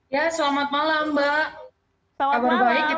ya selamat malam mbak